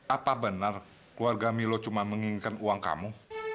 apa benar keluarga milo cuma menginginkan uang kamu